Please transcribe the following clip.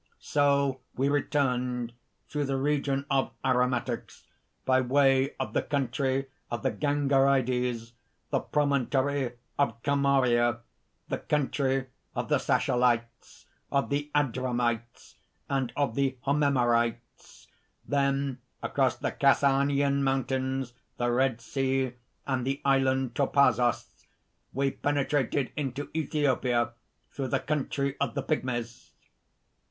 "So we returned through the Region of Aromatics, by way of the country of the Gangarides, the promontory of Comaria, the country of the Sachalites, of the Adramites and of the Homerites; then, across the Cassanian mountains, the Red Sea, and the Island Topazos, we penetrated into Ethiopia through the country of the Pygmies."